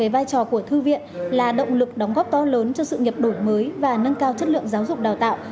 vai trò của thư viện là động lực đóng góp to lớn cho sự nghiệp đổi mới và nâng cao chất lượng giáo dục đào tạo